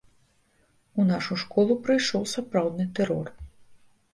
У нашу школу прыйшоў сапраўдны тэрор.